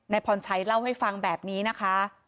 พรชัยเล่าให้ฟังแบบนี้นะคะ